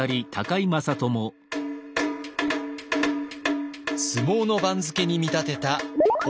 相撲の番付に見立てた温泉番付。